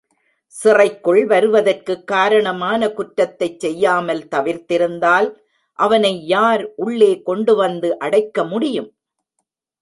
சிறைக்குள் வருவதற்குக் காரணமான குற்றத்தைச் செய்யாமல் தவிர்த்திருந்தால் அவனை யார் உள்ளே கொண்டு வந்து அடைக்க முடியும்?